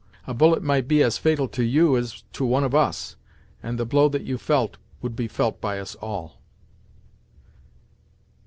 A bullet might be as fatal to you as to one of us; and the blow that you felt, would be felt by us all."